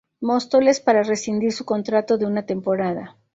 Móstoles para rescindir su contrato de una temporada.